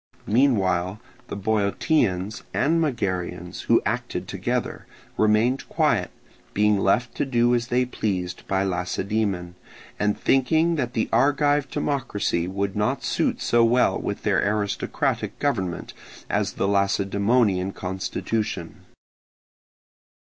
Meanwhile the Boeotians and Megarians, who acted together, remained quiet, being left to do as they pleased by Lacedaemon, and thinking that the Argive democracy would not suit so well with their aristocratic government as the Lacedaemonian constitution.